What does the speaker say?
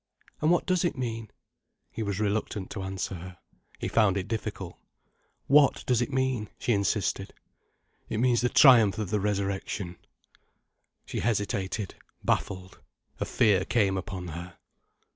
"And what does it mean?" He was reluctant to answer her. He found it difficult. "What does it mean?" she insisted. "It means the triumph of the Resurrection." She hesitated, baffled, a fear came upon her.